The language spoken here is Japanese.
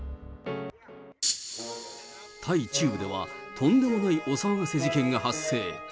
タイ中部では、とんでもないお騒がせ事件が発生。